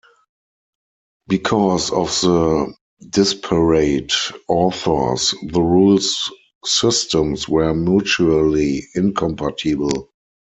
Because of the disparate authors, the rules systems were mutually incompatible.